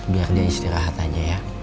biar dia istirahat aja ya